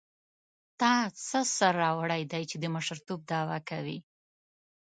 تا څه سر راوړی دی چې د مشرتوب دعوه کوې.